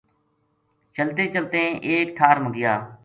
چلتیں چلتیں ایک ٹھار ما گیا